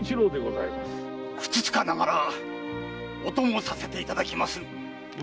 ふつつかながらお供させていただきます。